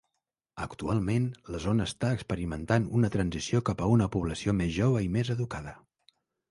Actualment, la zona està experimentant una transició cap a una població més jove i més educada.